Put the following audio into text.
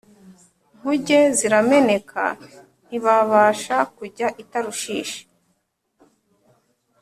nkuge zirameneka ntibabasha kujya i Tarushishi